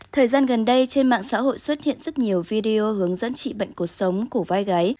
thời gian gần đây trên mạng xã hội xuất hiện rất nhiều video hướng dẫn trị bệnh cuộc sống của vai gái